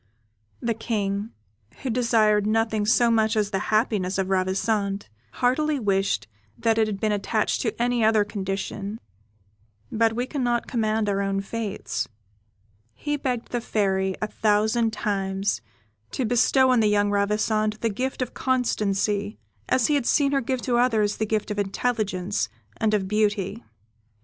The King, who desired nothing so much as the happiness of Ravissante, heartily wished that it had been attached to any other condition, but we cannot command our own fates. He begged the Fairy, a thousand times, to bestow on the young Ravissante the gift of constancy, as he had seen her give to others the gifts of intelligence and of beauty.